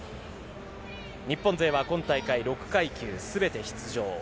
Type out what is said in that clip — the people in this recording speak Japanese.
日本勢は今大会６階級すべて出場。